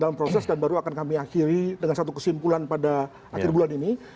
dalam proses dan baru akan kami akhiri dengan satu kesimpulan pada akhir bulan ini